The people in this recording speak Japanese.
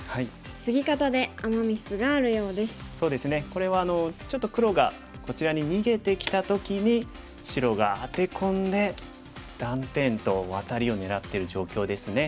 これはちょっと黒がこちらに逃げてきた時に白がアテ込んで断点とワタリを狙ってる状況ですね。